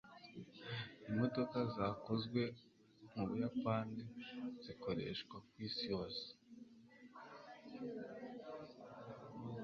imodoka zakozwe mubuyapani zikoreshwa kwisi yose